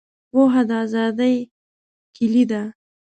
پوهه د آزادۍ کیلي ده.